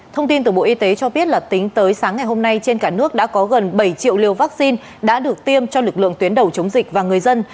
thông tin từ bộ y tế cho biết là tính tới sáng ngày hôm nay trên cả nước đã có gần bảy triệu liều vaccine đã được tiêm cho lực lượng tuyến đầu chống dịch và người dân